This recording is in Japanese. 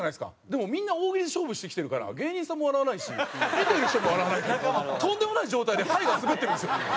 でもみんな大喜利で勝負してきてるから芸人さんも笑わないし見てる人も笑わないからとんでもない状態で「ハイ」がスベってるんですよ。